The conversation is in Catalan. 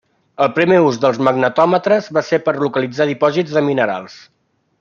El primer ús dels magnetòmetres va ser per localitzar dipòsits de minerals.